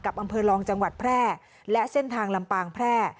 อำเภอรองจังหวัดแพร่และเส้นทางลำปางแพร่